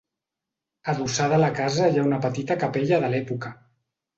Adossada a la casa hi ha una petita capella de l'època.